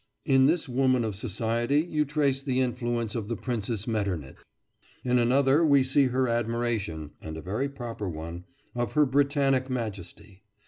In this woman of society you trace the influence of the Princess Metternich. In another we see her admiration (and a very proper one) for Her Britannic Majesty.